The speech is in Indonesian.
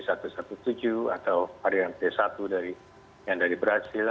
atau varian b satu yang dari brazil